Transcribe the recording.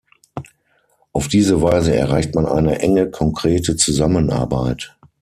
Auf diese Weise erreicht man eine enge konkrete Zusammenarbeit.